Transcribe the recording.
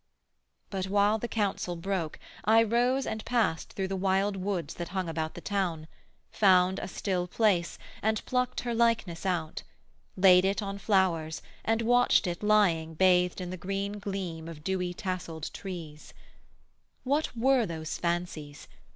But when the council broke, I rose and past Through the wild woods that hung about the town; Found a still place, and plucked her likeness out; Laid it on flowers, and watched it lying bathed In the green gleam of dewy tasselled trees: What were those fancies?